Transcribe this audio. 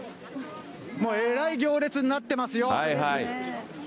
もうえらい行列になってますよ。